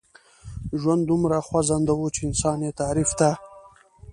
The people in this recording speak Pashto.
ژوند دومره خوځنده و چې انسان يې تعريف ته.